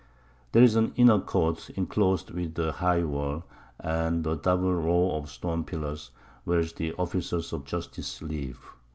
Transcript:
There's an inner Court inclos'd with a high Wall, and a double Row of Stone Pillars, where the Officers of Justice live.